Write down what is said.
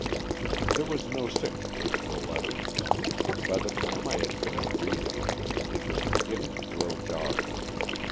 There was no signature to the letter. By the time that I had finished reading it, it was beginning to grow dark.